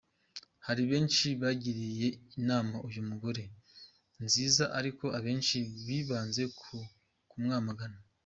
Hari benshi bagiriye inama uyu mugore nziza ariko abenshi bibanze ku kumwamagana.